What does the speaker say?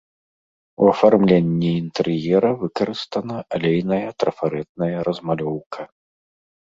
У афармленні інтэр'ера выкарыстана алейная трафарэтная размалёўка.